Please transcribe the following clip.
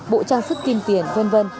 bộ trang sức kim tiền v v